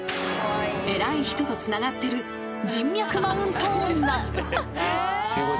［偉い人とつながってる人脈マウント女］